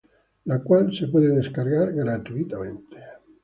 La cual se puede descargar gratuitamente.